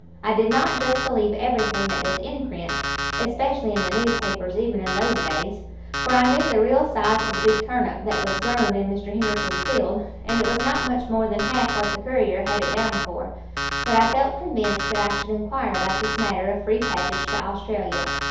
I did not just believe everything that was in print, especially in the newspapers, even in those days; for I knew the real size of the big turnip that was grown in Mr. Henderson's field, and it was not much more than half what the 'Courier' had it down for, but I felt convinced that I should inquire about this matter of free passage to Australia.